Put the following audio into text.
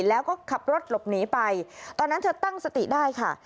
แล้วก็ขับรถหลบหนีไปตอนนั้นเธอตั้งสติได้ค่ะ